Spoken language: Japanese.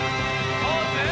ポーズ！